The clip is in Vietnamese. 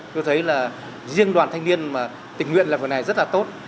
tôi thấy là riêng đoàn thanh niên tình nguyện làm việc này rất là tốt